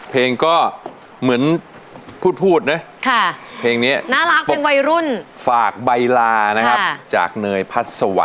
เพลงก็เหมือนพูดพูดนะ